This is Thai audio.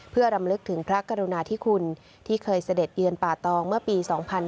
เพื่อรำลึกถึงพระกรุณาธิคุณที่เคยเสด็จเยือนป่าตองเมื่อปี๒๕๕๙